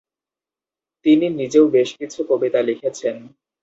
তিনি নিজেও বেশকিছু কবিতা লিখেছেন।